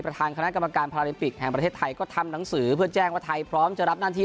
ประธานคณะกรรมการพาราลิมปิกแห่งประเทศไทยก็ทำหนังสือเพื่อแจ้งว่าไทยพร้อมจะรับหน้าที่